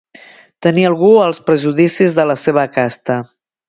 Tenir algú els prejudicis de la seva casta.